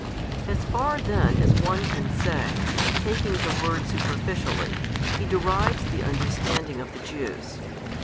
As far then as one can say, taking the words superficially, He derides the understanding of the Jews.